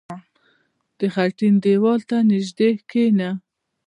• د خټین دیوال ته نژدې کښېنه.